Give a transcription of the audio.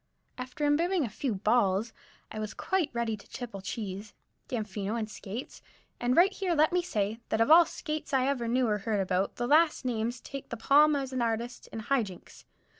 After imbibing a few "balls," I was quite ready to tipple Cheese, Damfino and Skates, and right here let me say, that of all skates I ever knew or heard about, the last named takes the palm as an artist in "high jinks."